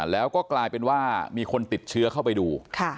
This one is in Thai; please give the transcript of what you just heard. แล้วก็กลายเป็นว่ามีคนติดเชื้อเข้าไปดู